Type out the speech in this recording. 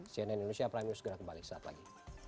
cnn indonesia prime news segera kembali saat lagi